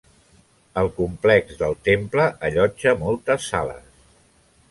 El complex del temple allotja moltes sales.